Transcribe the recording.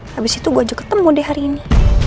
habis itu gue ajak ketemu deh hari ini